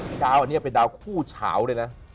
ไอ้ดาวเป็นดาวคู่ฉาวเลยนะ